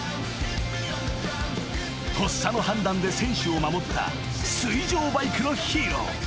［とっさの判断で選手を守った水上バイクのヒーロー］